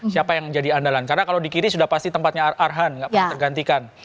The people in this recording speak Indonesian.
karena kalau di kiri sudah pasti tempatnya arhan tidak pernah tergantikan